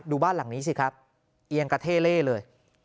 ดูบ้านหลังนี้สิครับเอียงกระเท่เล่เลย